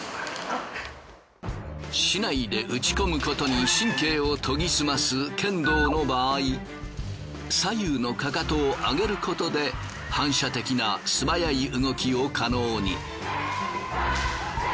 竹刀で打ち込むことに神経を研ぎ澄ます剣道の場合左右のかかとを上げることで反射的な素早い動きを可能に。